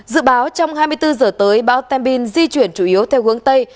dự báo trong hai mươi bốn giờ tới báo temin di chuyển chủ yếu theo hướng tây